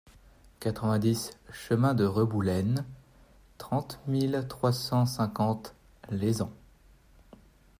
quatre-vingt-dix chemin de Reboulène, trente mille trois cent cinquante Lézan